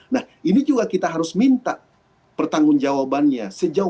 nah ini juga kita harus minta pertanggung jawabannya